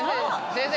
先生